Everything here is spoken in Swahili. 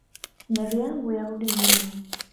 Gari yangu yarudi nyuma